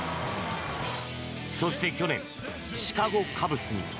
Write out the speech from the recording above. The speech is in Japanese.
そして去年、シカゴ・カブスに。